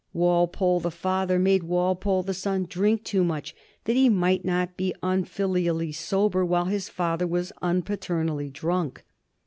Walpole the father made Walpole the son drink too much, that he might not be unfilially sober while his father was unpaternally drunk.